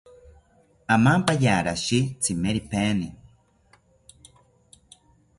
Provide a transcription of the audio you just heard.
Amampaya rashi tsimeripaini